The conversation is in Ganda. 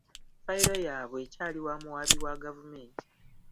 Fayiro yaabwe ekyali wa muwaabi wa gavumenti.